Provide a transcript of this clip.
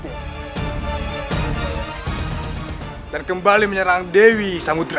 hai dan kembali menyerang dewi samudera